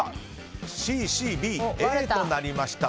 Ｃ、Ｃ、Ｂ、Ａとなりました。